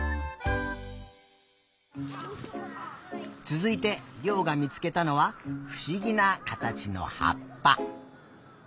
つづいてりょうがみつけたのはふしぎなかたちのはっぱ。